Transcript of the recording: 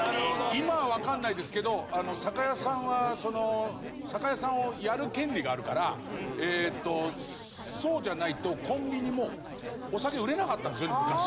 今はわからないですけど酒屋さんは酒屋さんをやる権利があるからそうじゃないとコンビニもお酒を売れなかったんですよね昔。